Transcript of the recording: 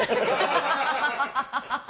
アハハハハ！